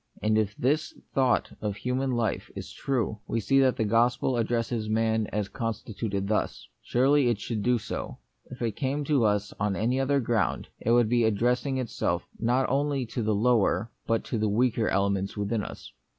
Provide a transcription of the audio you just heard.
And if this thought of human life is true, we see that the gospel addresses man as constituted thus. Surely it should do so. If it came to us on any other ground, it would be addressing it self not only to lower but to weaker elements within us.